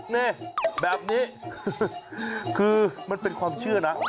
นี่แบบนี้คือมันเป็นความเชื่อนะ